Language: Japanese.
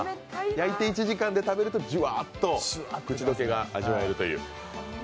焼いて１時間で食べるとジュワーッと口溶けが味わえるという。